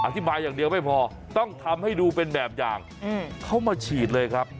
อธิบายอย่างเดียวไม่พอต้องทำให้ดูเป็นแบบอย่างเขามาฉีดเลยครับ